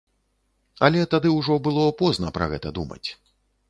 Але тады ўжо было позна пра гэта думаць.